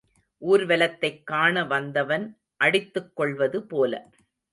ஊர்வலத்தைக் காண வந்தவன் அடித்துக் கொள்வது போல.